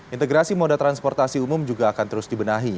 integrasi moda transportasi umum juga akan terus dibenahi